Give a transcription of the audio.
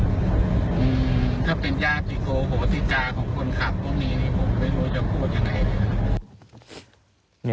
ถ้าเป็นยากหัวโหติจาของคนขับตรงนี้ผมไม่รู้จะพูดยังไง